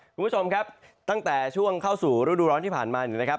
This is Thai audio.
คุณผู้ชมครับตั้งแต่ช่วงเข้าสู่ฤดูร้อนที่ผ่านมาเนี่ยนะครับ